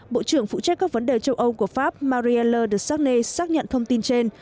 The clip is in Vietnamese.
bộ trưởng phụ trách các vấn đề châu âu của pháp marielle de sarney xác nhận thông tin trên